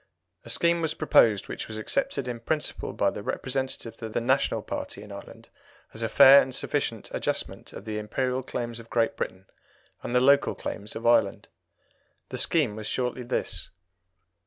A scheme was proposed which was accepted in principle by the representatives of the National party in Ireland as a fair and sufficient adjustment of the Imperial claims of Great Britain and the Local claims of Ireland. The scheme was shortly this.